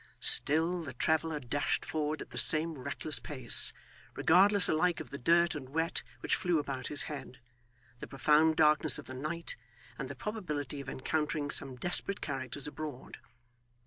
Still, the traveller dashed forward at the same reckless pace, regardless alike of the dirt and wet which flew about his head, the profound darkness of the night, and the probability of encountering some desperate characters abroad.